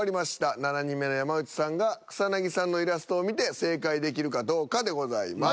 ７人目の山内さんが草さんのイラストを見て正解できるかどうかでございます。